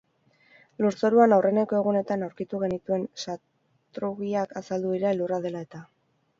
Lurzoruan, aurreneko egunetan aurkitu genituen satrugiak azaldu dira elurra dela eta.